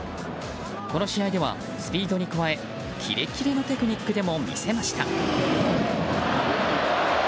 この試合ではスピードに加えキレキレのテクニックでも見せました。